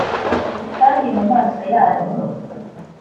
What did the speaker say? kandi mu maso yanyu